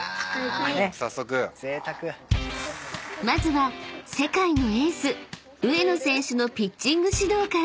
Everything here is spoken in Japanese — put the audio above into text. ［まずは世界のエース上野選手のピッチング指導から］